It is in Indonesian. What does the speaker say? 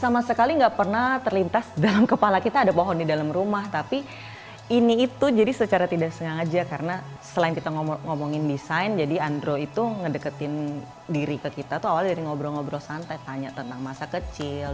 sama sekali nggak pernah terlintas dalam kepala kita ada pohon di dalam rumah tapi ini itu jadi secara tidak sengaja karena selain kita ngomongin desain jadi andro itu ngedeketin diri ke kita tuh awalnya dari ngobrol ngobrol santai tanya tentang masa kecil